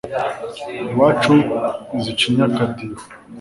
iwacu zicinye akadiho